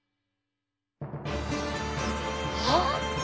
あっ！